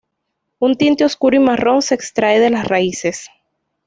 Un tinte oscuro y marrón se extrae de las raíces.